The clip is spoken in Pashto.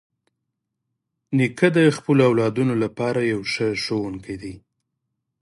نیکه د خپلو اولادونو لپاره یو ښه ښوونکی دی.